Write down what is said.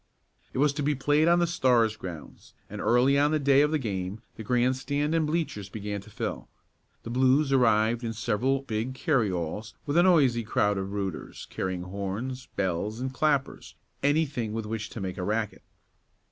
It was to be played on the Stars' grounds, and early on the day of the game the grandstand and bleachers began to fill. The Blues arrived in several big carryalls with a noisy crowd of "rooters" carrying horns, bells and clappers anything with which to make a racket.